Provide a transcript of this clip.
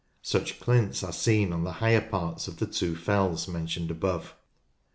Such clints are seen on the higher parts of the two fells mentioned above.